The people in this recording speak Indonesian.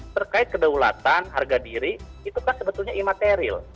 terkait kedaulatan harga diri itu kan sebetulnya imaterial